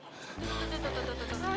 tuh tuh tuh